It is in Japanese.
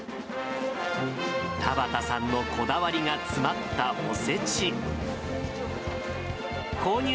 太葉田さんのこだわりが詰まったおせち。